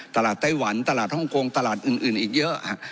ไต้หวันตลาดฮ่องกงตลาดอื่นอีกเยอะ